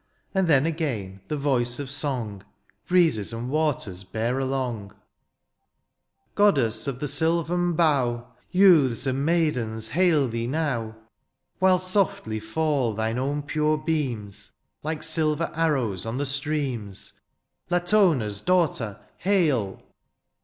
And then again the voice of song. Breezes and waters bear along. '' Goddess of the sylvan bow, ^' Youths and maidens hail thee now, ^^ While softly fall thine own pure beams D 52 DI0NT8IUSy « like siItct arrows on the streams: ^ Latona's daugliter^ hail